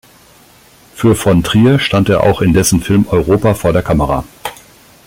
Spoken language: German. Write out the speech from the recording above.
Für von Trier stand er auch in dessen Film Europa vor der Kamera.